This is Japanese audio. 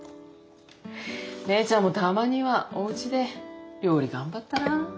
芽依ちゃんもたまにはおうちで料理頑張ったら？